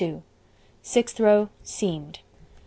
Sixth row: Seamed.